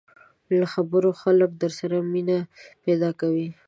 له خبرو خلک در سره مینه پیدا کوي